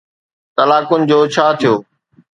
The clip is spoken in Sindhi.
طلاقن جو ڇا ٿيو؟